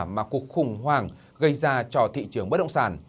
mà cuộc khủng hoảng gây ra cho thị trường bất động sản